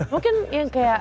mungkin yang kayak